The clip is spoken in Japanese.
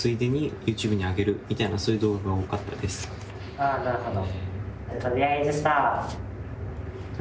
ああなるほど。